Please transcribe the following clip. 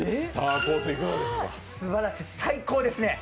すばらしい、最高ですね。